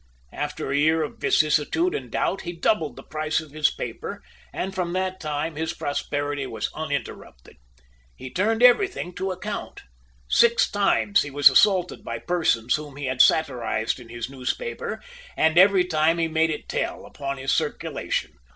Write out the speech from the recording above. After a year of vicissitude and doubt, he doubled the price of his paper, and from that time his prosperity was uninterrupted. He turned everything to account. Six times he was assaulted by persons whom he had satirized in his newspaper, and every time he made it tell upon his circulation.